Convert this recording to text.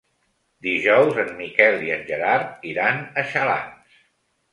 Dijous en Miquel i en Gerard iran a Xalans.